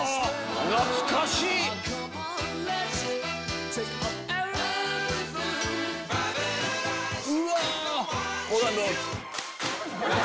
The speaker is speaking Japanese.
懐かしい！うわ！